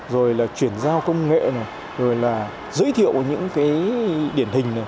rồi là chuyển giao công nghệ này rồi là giới thiệu những cái điển hình